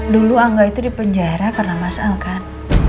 dulu angga itu di penjara karena mas al kan